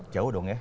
jauh dong ya